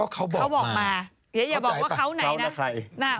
เขาบอกมาเดี๋ยวอย่าบอกว่าเขาไหนนะ